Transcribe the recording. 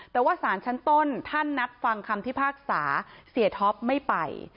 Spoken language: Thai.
แต่ว่าสารชั้นต้นท่านนัดฟังคำพิพากษาเสียท็อปไม่ไป